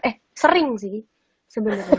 eh sering sih sebenernya